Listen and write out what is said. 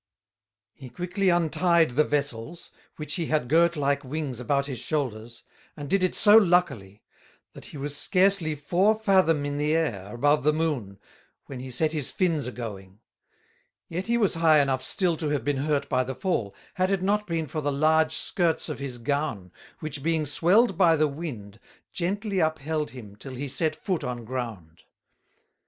He quickly untied the Vessels, which he had girt like Wings about his Shoulders, and did it so luckily, that he was scarcely Four Fathom in the Air above the Moon, when he set his Fins a going; yet he was high enough still to have been hurt by the fall, had it not been for the large skirts of his Gown, which being swelled by the Wind, gently upheld him till he set Foot on ground.